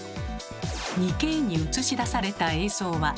２Ｋに映し出された映像は。